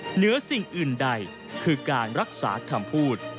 เหนือสิ่งอื่นใดคือการรักษาคำพูด